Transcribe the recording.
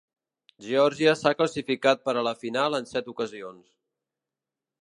Geòrgia s'ha classificat per a la final en set ocasions.